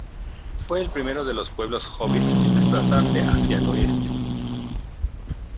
Fue el primero de los pueblos hobbits en desplazarse hacia el oeste.